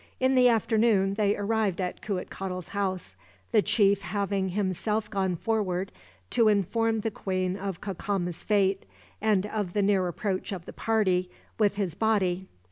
In the afternoon they arrived at Cuitcatl's house, the chief having himself gone forward, to inform the queen of Cacama's fate, and of the near approach of the party, with his body.